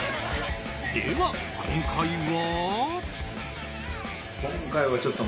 では、今回は？